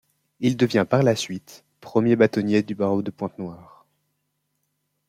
Il devient par la suite, premier bâtonnier du barreau de Pointe-Noire.